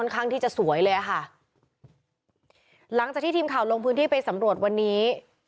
ข้างที่จะสวยเลยอ่ะค่ะหลังจากที่ทีมข่าวลงพื้นที่ไปสำรวจวันนี้